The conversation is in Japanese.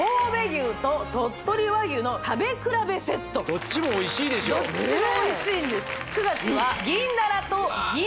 どっちもおいしいでしょどっちもおいしいんですうわ！